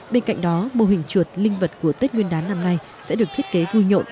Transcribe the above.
bên cạnh đó mô hình chuột linh vật của tết nguyên đán năm nay sẽ được thiết kế vui nhộn